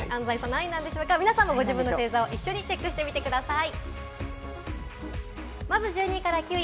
皆さんもご自分の星座を一緒にチェックしてみてください。